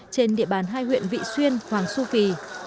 trên địa bàn hai huyện vị xuyên hoàng su phi